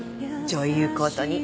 女優コートに。